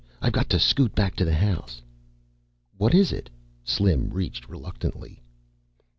I've got to scoot back to the house." "What is it?" Slim reached reluctantly.